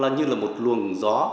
như là một luồng gió